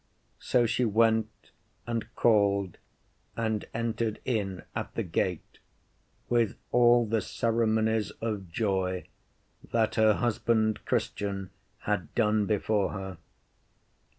So she went and called and entered in at the gate with all the ceremonies of joy that her husband Christian had done before her.